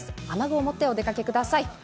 雨具を持ってお出かけください。